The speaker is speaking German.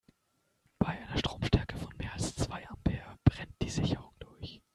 Bei einer Stromstärke von mehr als zwei Ampere brennt die Sicherung durch.